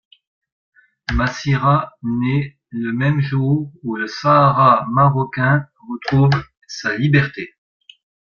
Massira naît le même jour où le Sahara marocain retrouve sa liberté.